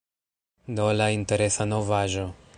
Do, la interesa novaĵo.